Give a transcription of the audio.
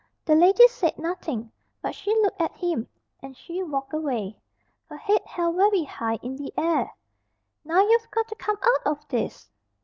The lady said nothing, but she looked at him and she walked away, her head held very high in the air. "Now you've got to come out of this!"